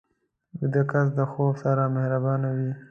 ویده کس د خوب سره مهربان وي